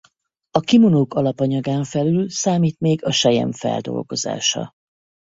A kimonók alapanyagán felül számít még a selyem feldolgozása.